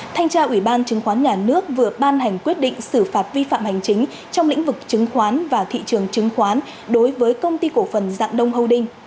thanh tra ủy ban chứng khoán nhà nước vừa ban hành quyết định xử phạt vi phạm hành chính trong lĩnh vực chứng khoán và thị trường chứng khoán đối với công ty cổ phần dạng đông hâu đinh